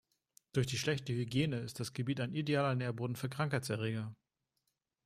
Durch die schlechte Hygiene ist das Gebiet ein idealer Nährboden für Krankheitserreger.